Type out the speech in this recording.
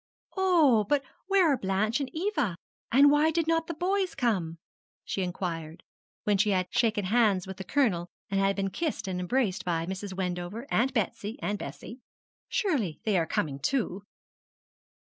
'Oh! but where are Blanche and Eva? and why did not the boys come?' she inquired, when she had shaken hands with the Colonel, and had been kissed and embraced by Mrs. Wendover, Aunt Betsy, and Bessie: 'surely they are coming too?'